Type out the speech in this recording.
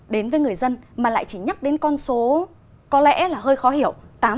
đến với người dân mà lại chỉ nhắc đến con số có lẽ là hơi khó hiểu tám ba mươi sáu